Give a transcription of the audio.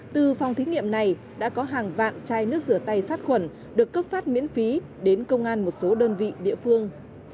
từ phòng thí nghiệm này đã có hàng vạn chai nước rửa tay sát khuẩn được cấp phát miễn phí đến công an một số đơn vị địa phương